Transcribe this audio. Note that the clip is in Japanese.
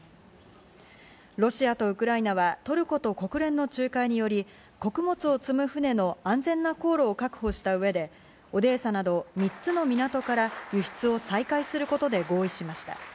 ロシアとウクライナはトルコと国連の仲介により、穀物を積む船の安全な航路を確保した上で、オデーサなど３つの港から輸出を再開することで合意しました。